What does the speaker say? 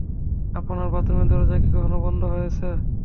আপনার বাথরুমের দরজা কি কখনো বন্ধ হয়েছে?